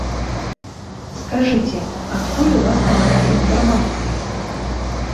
Скажыце, адкуль у вас такая інфармацыя?